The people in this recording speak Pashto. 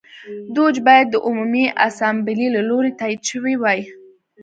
دوج باید د عمومي اسامبلې له لوري تایید شوی وای